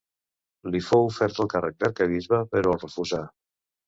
Li fou ofert el càrrec d'arquebisbe, però el refusà.